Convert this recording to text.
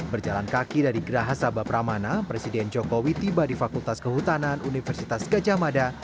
berjalan kaki dari gerahasabapramana presiden jokowi tiba di fakultas kehutanan universitas gajah mada